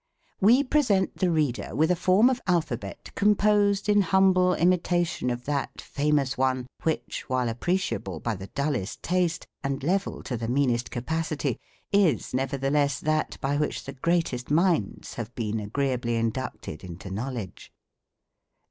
We present the reader with a form of Alphabet composed in humble imitation of that famous one, which, while appreciable by the dullest taste, and level to the meanest capacity, is nevertheless that by which the greatest minds have been agreeably inducted into knowledge.